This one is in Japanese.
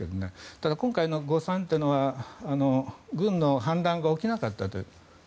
ただ今回の誤算は軍の反乱が起きなかったことです。